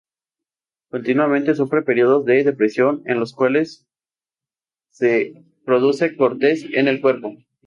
Continuamente sufre periodos de depresión en los cuales se produce cortes en el cuerpo.